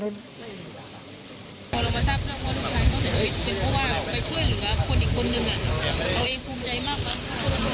ก็แสดงความเสียใจด้วยจริงกับครอบครัวนะคะ